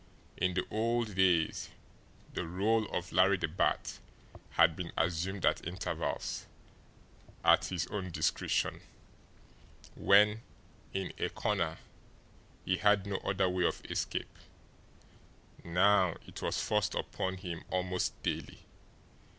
In the old days, the role of Larry the Bat had been assumed at intervals, at his own discretion, when, in a corner, he had no other way of escape; now it was forced upon him almost daily.